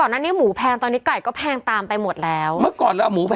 หมีกึ่งมันก็ยังไม่อยู่